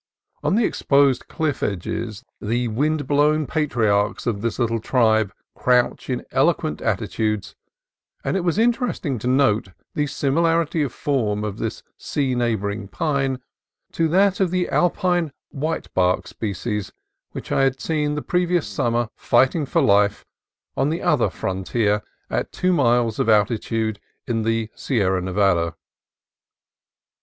On the exposed cliff edges the wind blown patriarchs of the little tribe crouch in eloquent attitudes, and it was interesting to note the similarity of form of this sea neighboring pine to that of the alpine "white bark " species which I had seen the previous summer fighting for life on the other frontier at two miles of altitude in the Sierra Nevada.